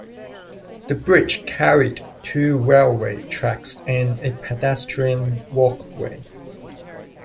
The bridge carried two railway tracks and a pedestrian walkway.